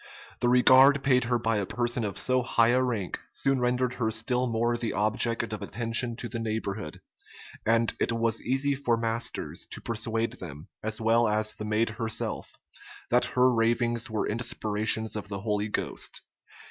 The regard paid her by a person of so high a rank, soon rendered her still more the object of attention to the neighborhood; and it was easy for Masters to persuade them, as well as the maid herself, that her ravings were inspirations of the Holy Ghost.